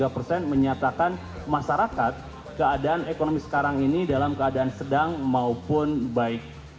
tiga persen menyatakan masyarakat keadaan ekonomi sekarang ini dalam keadaan sedang maupun baik